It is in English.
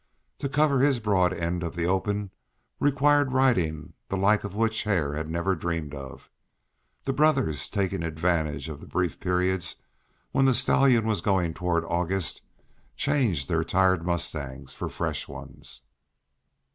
To cover this broad end of the open required riding the like of which Hare had never dreamed of. The brothers, taking advantage of the brief periods when the stallion was going toward August, changed their tired mustangs for fresh ones.